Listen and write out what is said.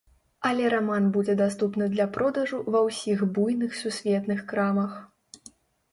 Але раман будзе даступны для продажу ва ўсіх буйных сусветных крамах.